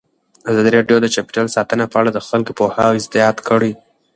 ازادي راډیو د چاپیریال ساتنه په اړه د خلکو پوهاوی زیات کړی.